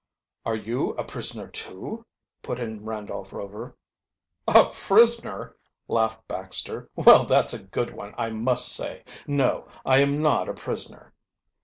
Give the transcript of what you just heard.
"Are you a prisoner, too?" put in Randolph Rover. "A prisoner!" laughed Baxter. "Well, that's a good one, I must say. No, I am not a prisoner."